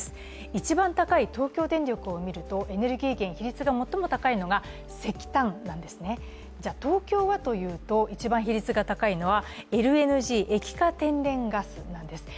一番高い沖縄電力を見ると、エネルギー源比率が最も高いのは石炭なんですね、東京はというと、一番比率が高いのはＬＮＧ＝液化天然ガスです。